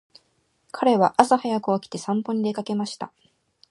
彼は朝早く起きて散歩に出かけました。